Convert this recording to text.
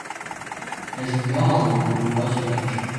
Es galvu grozu taču.